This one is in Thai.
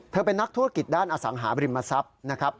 เป็นนักธุรกิจด้านอสังหาบริมทรัพย์นะครับ